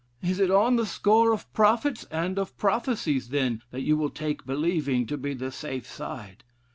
Is it on the score of prophets and of prophecies, then, that you will take believing to be the safe side?